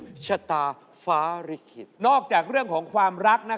เพราะว่ารายการหาคู่ของเราเป็นรายการแรกนะครับ